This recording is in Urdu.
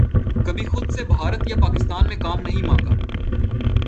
کبھی خود سے بھارت یا پاکستان میں کام نہیں مانگا